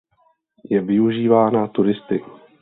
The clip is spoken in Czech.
Je využívána turisty.